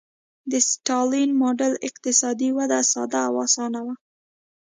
د ستالین ماډل اقتصادي وده ساده او اسانه وه